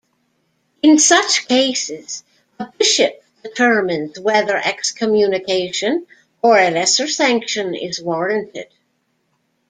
In such cases, a bishop determines whether excommunication or a lesser sanction is warranted.